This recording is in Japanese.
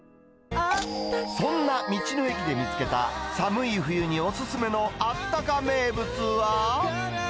そんな道の駅で見つけた、寒い冬にお勧めのあったか名物は。